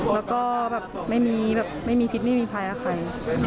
แล้วก็แบบไม่มีผิดไม่มีภัยกับใคร